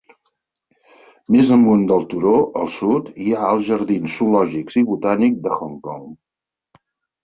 Més amunt del turó, al sud, hi ha els Jardins Zoològics i Botànic de Hong Kong.